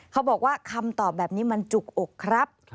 เขาบอกว่าคำตอบแบบนี้มันจุกอกครับ